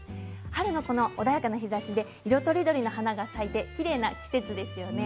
春の穏やかな日ざしで色とりどりの花が咲いてきれいな季節ですよね。